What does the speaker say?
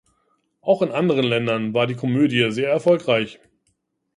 Auch in anderen Ländern war die Komödie sehr erfolgreich.